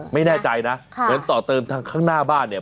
ไม่แน่ใจนะเหมือนต่อเติมทางข้างหน้าบ้านเนี่ย